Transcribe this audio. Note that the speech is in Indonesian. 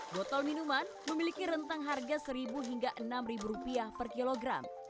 gotol minuman memiliki rentang harga seribu hingga enam ribu rupiah per kilogram